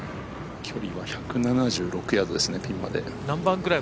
距離は１７６ヤードですねピンまで。